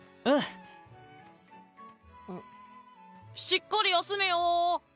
しっかり休めよ。